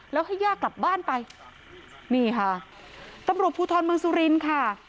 แล้วให้ย่ากลับบ้านไปนี่ค่ะตำรวจภูทรเมืองสุรินทร์ค่ะ